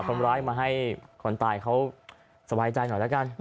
คนร้ายมาให้คนตายเขาสบายใจหน่อยแล้วกัน